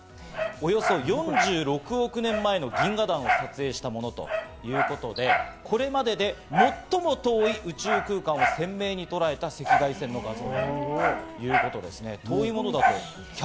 およそ４６億年前の銀河団を撮影したものということで、これまでで最も遠い宇宙空間を鮮明にとらえた赤外線画像ということなんですね。